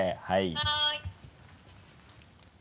はい。